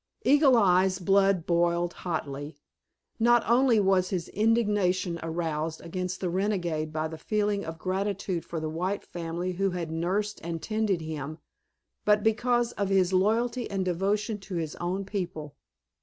Eagle Eye's blood boiled hotly. Not only was his indignation aroused against the renegade by the feeling of gratitude for the white family who had nursed and tended him, but because of his loyalty and devotion to his own people.